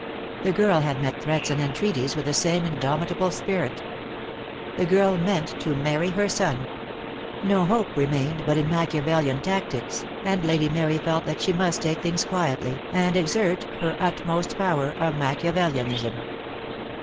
The girl had met threats and entreaties with the same indomitable spirit. The girl meant to marry her son. No hope remained but in Machia velian tactics, and Lady Mary felt that she must take things quietly, and exert her utmost power of Machiavelianism.